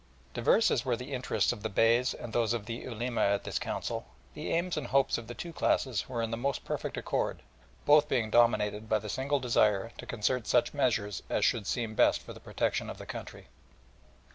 Diverse as were the interests of the Beys and those of the Ulema at this Council, the aims and hopes of the two classes were in the most perfect accord, both being dominated by the single desire to concert such measures as should seem best for the protection of the country.